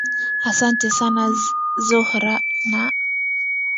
asante sana zuhra na